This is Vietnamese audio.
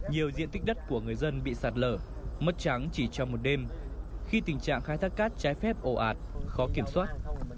nhiều diện tích đất của người dân bị sạt lở mất trắng chỉ trong một đêm khi tình trạng khai thác cát trái phép ổ ạt khó kiểm soát